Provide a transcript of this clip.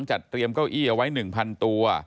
จัดเตรียมเก้าอี้เอาไว้๑๐๐ตัว